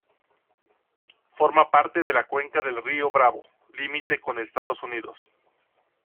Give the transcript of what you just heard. Forma parte de la cuenca del Río Bravo, límite con Estados Unidos.